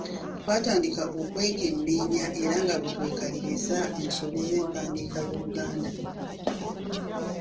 Twatandika okwekenneenya era nga bwe twekaliriza ensobi z’empandiika y’Oluganda.